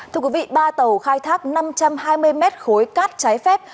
thưa quý vị ba tàu khai thác năm trăm hai mươi mét khối cát trái phép